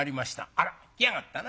「あら来やがったな。